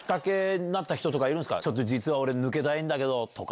「実は俺抜けたいんだけど」とか。